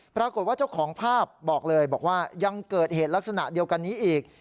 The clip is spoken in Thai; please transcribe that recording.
ปรากฏว่าเจ้าของภาพบอกเลยบอกว่ายังเกิดเหตุลักษณะเดียวกันนี้อีก